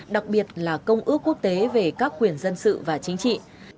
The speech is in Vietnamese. đặc biệt là công ước quốc tế về các quyền dân sự và chính trị